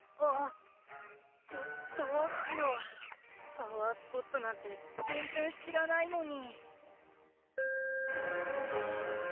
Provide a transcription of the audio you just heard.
パワースポットなんてぜんぜんしらないのに。